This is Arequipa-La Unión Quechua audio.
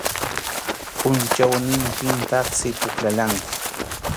Pʼunchawnintintaqsi pukllallanku.